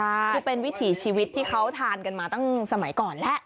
คือเป็นวิถีชีวิตที่เขาทานกันมาตั้งสมัยก่อนแล้ว